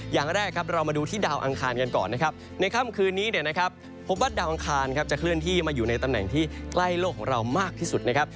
อย่างแรกครับเรามาดูที่ดาวอังคารกันก่อนนะครับในค่ำคืนนี้เนี่ยนะครับพบว่าดาวอังคารจะเคลื่อนที่มาอยู่ในตำแหน่งที่ใกล้โลกของเรามากที่สุดนะครับ